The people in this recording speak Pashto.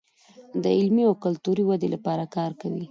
د علمي او کلتوري ودې لپاره کار کوي.